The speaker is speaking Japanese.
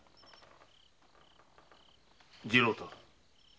次郎太